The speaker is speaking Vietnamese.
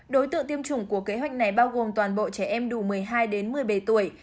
đối tượng tiêm chủng của kế hoạch này bao gồm toàn bộ trẻ em đủ một mươi hai đến một mươi bảy tuổi